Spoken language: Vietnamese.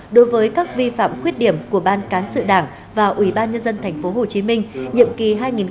đối với các vi phạm quyết điểm của ban cán sự đảng và ubnd tp hcm nhiệm kỳ hai nghìn một mươi sáu hai nghìn hai mươi một